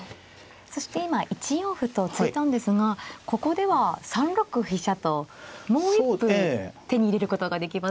そして今１四歩と突いたんですがここでは３六飛車ともう一歩手に入れることができますよね。